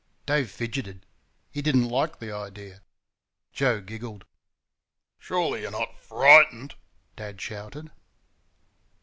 Dave fidgetted. He did n't like the idea. Joe giggled. "Surely you're not FRIGHTENED?" Dad shouted.